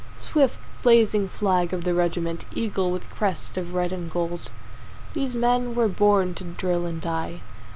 Swift blazing flag of the regiment, Eagle with crest of red and gold, These men were born to drill and die.